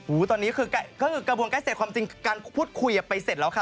โอ้โหตอนนี้คือกระบวนการเสร็จความจริงการพูดคุยไปเสร็จแล้วค่ะ